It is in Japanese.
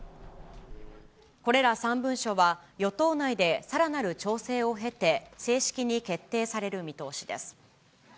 これら３文書は、与党内でさらなる調整を経て、正式に決定される見通しです。